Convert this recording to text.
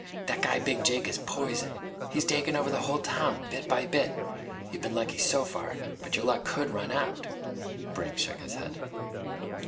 "That guy Big Jake is poison! He's takin' over the whole town, bit by bit! You've been lucky so far, but your luck could run out " Brink shook his head.